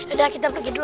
udah kita pergi dulu